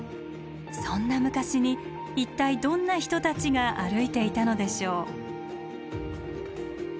そんな昔に一体どんな人たちが歩いていたのでしょう？